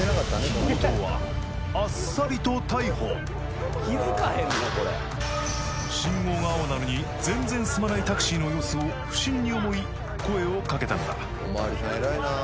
強盗はあっさりと逮捕信号が青なのに全然進まないタクシーの様子を不審に思い声をかけたのだ